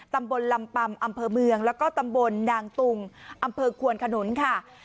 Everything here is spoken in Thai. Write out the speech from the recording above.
ตำบลลำปำอำเภอเมืองแล้วก็ตำบลนางตุงอำเภอควนขนุนค่ะ